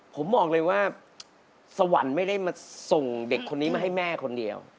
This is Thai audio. ผมบอกเลยว่าสวรรค์ไม่ได้มาส่งเด็กคนนี้มาให้แม่คนเดียว